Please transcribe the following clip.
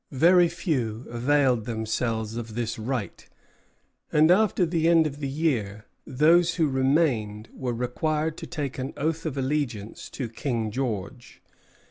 Very few availed themselves of this right; and after the end of the year those who remained were required to take an oath of allegiance to King George.